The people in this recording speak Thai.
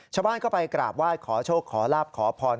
ชาวบ้านก็ไปกราบว่ายขอโชคขอลาบขอผ่อน